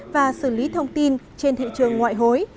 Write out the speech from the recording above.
và xử lý thông tin trên thị trường ngoại hối